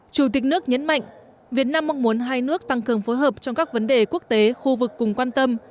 chủ tịch nước nhấn mạnh việt nam mong muốn hai nước tăng cường phối hợp trong các vấn đề quốc tế khu vực cùng quan tâm